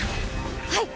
はい！